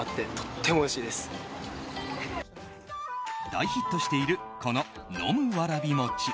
大ヒットしているこの飲むわらびもち。